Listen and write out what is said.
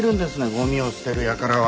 ゴミを捨てるやからは。